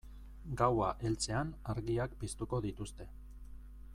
Gaua heltzean argiak piztuko dituzte.